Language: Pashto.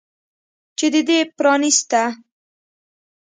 چې د دې پرانستنه